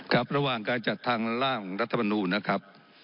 ครับระหว่างการจัดทางล่างของรัฐมนูลนะครับ